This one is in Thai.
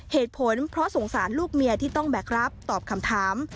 เหตุผลเพราะสงสารลูกเมียที่ต้องแบกรับตอบคำถาม